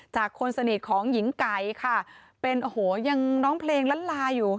คนสนิทของหญิงไก่ค่ะเป็นโอ้โหยังร้องเพลงล้านลาอยู่